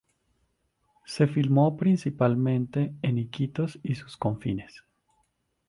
Se filmó principalmente en Iquitos y sus confines.